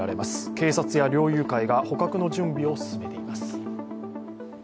警察や猟友会が捕獲の準備を進めています。